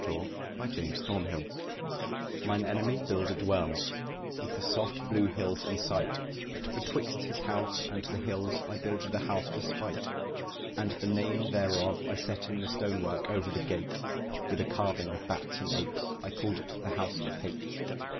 THE HOUSE OF HATE Mine enemy builded well, with the soft blue hills in sight; But betwixt his house and the hills I builded a house for spite: And the name thereof I set in the stone work over the gate, With a carving of bats and apes; and I called it the House of Hate.